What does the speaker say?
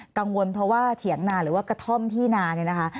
กังวลเพราะว่าเถียงนาหรือว่ากระท่อมที่นาเนี่ยนะคะ